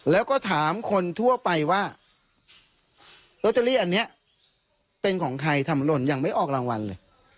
แล้วก็ถามคนทั่วไปว่าลอตเตอรี่อันนี้เป็นของใครทำหล่นยังไม่ออกรางวัลเลย